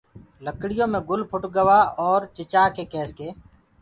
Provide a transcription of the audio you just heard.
لڪڙيو مي گُل ڦُٽ گوآ اورَ چِچآڪي ڪيس ڪي